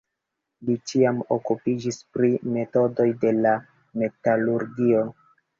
Li ĉiam okupiĝis pri metodoj de la metalurgio.